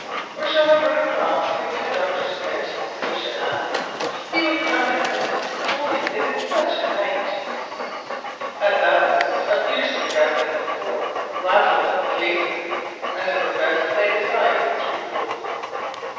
“Or shall I run across for the good Dr. Smit?” Koosje asked. “He would come in a minute, only it is such a night!” At that moment a fiercer gust than before rattled at the casements, and the professor laid aside his scruples.